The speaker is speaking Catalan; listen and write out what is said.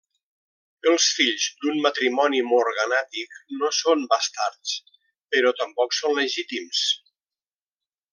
Els fills d'un matrimoni morganàtic no són bastards, però tampoc són legítims.